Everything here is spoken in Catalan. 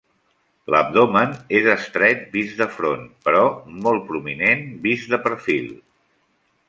L'abdomen és estret, vist de front, però molt prominent vist de perfil.